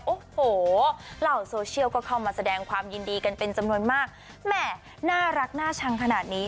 โอ้โหเหล่าโซเชียลก็เข้ามาแสดงความยินดีกันเป็นจำนวนมากแหม่น่ารักน่าชังขนาดนี้